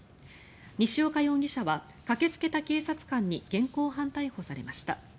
西岡容疑者は駆けつけた警察官に現行犯逮捕されました。